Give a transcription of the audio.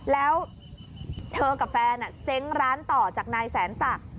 แล้วเธอกับแฟนเซ้งร้านต่อจากนายแสนศักดิ์